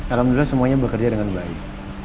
alhamdulillah semuanya bekerja dengan baik